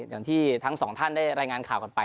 อย่างที่ทั้งสองท่านได้รายงานข่าวกันไป